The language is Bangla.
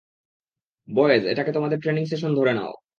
বয়েজ, এটাকে তোমাদের ট্রেনিং সেশন ধরে নাও।